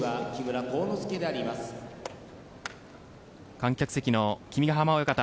観客席の君ヶ濱親方